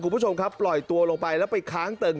คุณผู้ชมครับปล่อยตัวลงไปแล้วไปค้างเติ่ง